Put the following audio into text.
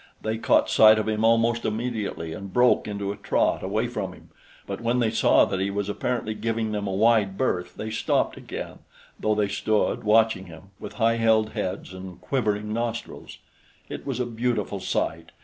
They caught sight of him almost immediately and broke into a trot away from him; but when they saw that he was apparently giving them a wide berth they stopped again, though they stood watching him, with high held heads and quivering nostrils. It was a beautiful sight.